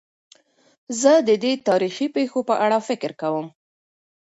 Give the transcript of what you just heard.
زه د دې تاریخي پېښو په اړه فکر کوم.